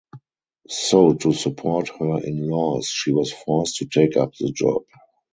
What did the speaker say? So to support her in laws she was forced to take up the job.